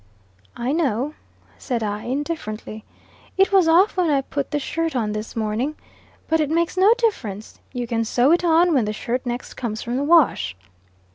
"I know," said I, indifferently. "It was off when I put the shirt on this morning. But it makes no difference you can sew it on when the shirt next comes from the wash."